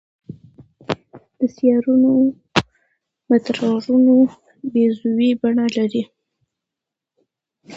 د سیارونو مدارونه بیضوي بڼه لري.